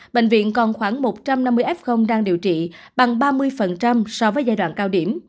bệnh viện còn khoảng một trăm năm mươi f đang điều trị bằng ba mươi so với giai đoạn cao điểm